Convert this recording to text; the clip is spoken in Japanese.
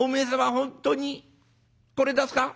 本当にこれ出すか？」。